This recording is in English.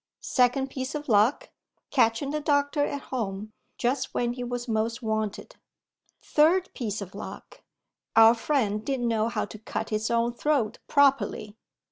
Second piece of luck: catching the doctor at home, just when he was most wanted. Third piece of luck: our friend didn't know how to cut his own throat properly.